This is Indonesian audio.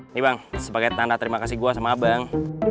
ini bang sebagai tanda terima kasih gue sama abang